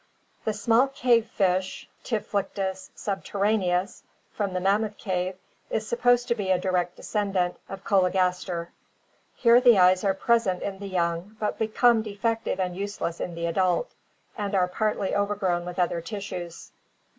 The small cave fish Typhlichthys subterraneus, from the Mammoth Cave, is supposed to be a direct descendant of Chologaskr. Here the eyes are present in the young but become defective and useless in the adult, and are partly overgrown with other tissues.